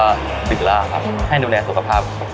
มีขอเสนออยากให้แม่หน่อยอ่อนสิทธิ์การเลี้ยงดู